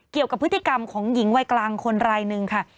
เกี่ยวกับพฤติกรรมของหญิงวัยกลางคนรายหนึ่งค่ะ